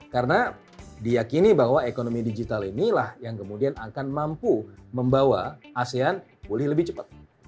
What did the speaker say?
karena diyakini bahwa ekonomi digital inilah yang kemudian akan mampu membawa asean pulih lebih cepat